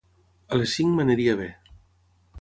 A les cinc m'aniria bé.